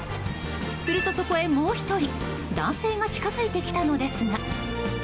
するとそこへ、もう１人男性が近づいてきたのですが。